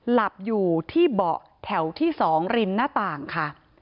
หลับอยู่ที่เบาะแถวที่๒ริมหน้าต่างค่ะ